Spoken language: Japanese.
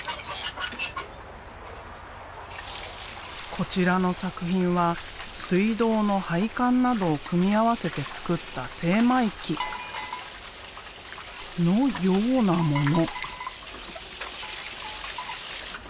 こちらの作品は水道の配管などを組み合わせて作った精米機のようなもの。